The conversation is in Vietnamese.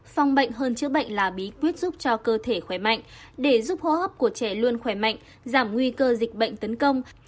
song bệnh hơn chữa bệnh là bí quyết giúp cho cơ thể khỏe mạnh để giúp hô hấp của trẻ luôn khỏe mạnh giảm nguy cơ dịch bệnh tấn công